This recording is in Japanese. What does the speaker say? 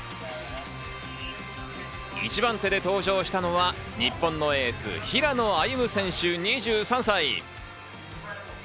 １番手で登場したのは日本のエース・平野歩夢選手、２３歳。